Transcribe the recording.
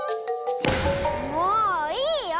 もういいよ！